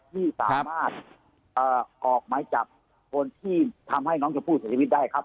ที่สามารถออกหมายจับคนที่ทำให้น้องชมพู่เสียชีวิตได้ครับ